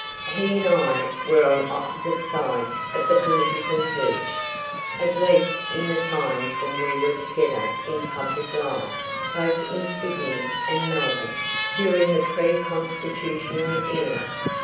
He and I were on opposite sides of the political hedge, at least in the times when we were together in public life, both in Sydney and Melbourne, during the pre constitutional era.